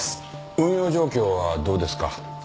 運用状況はどうですか？